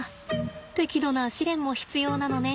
適度な試練も必要なのね。